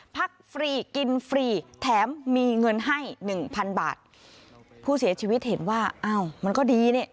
ฟรีกินฟรีแถมมีเงินให้หนึ่งพันบาทผู้เสียชีวิตเห็นว่าอ้าวมันก็ดีนี่